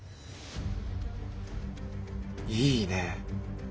いいねぇ。